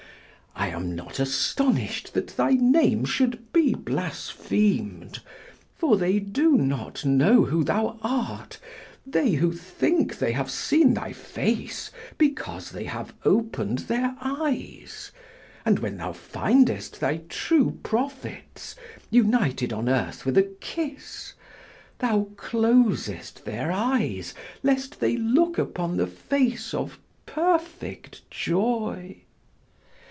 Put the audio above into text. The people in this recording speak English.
I am not astonished that thy name should be blasphemed, for they do not know who thou art, they who think they have seen thy face because they have opened their eyes; and when thou findest thy true prophets, united on earth with a kiss, thou closest their eyes lest they look upon the face of perfect joy.